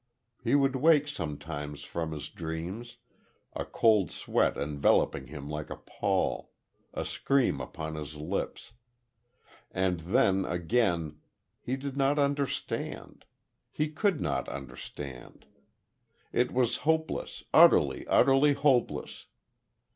He would wake sometimes from his dreams, a cold sweat enveloping him like a pall, a scream upon his lips.... And then, again He did not understand. He could not understand. It was hopeless, utterly, utterly hopeless....